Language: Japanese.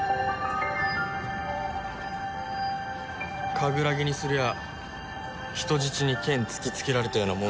カグラギにすりゃ人質に剣突きつけられたようなもんだ。